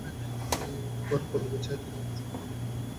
এবং ঘন পল্লবের ছায়াতলে দুই চক্ষুর মধ্যে কী নিবিড় অনির্বচনীয়তা!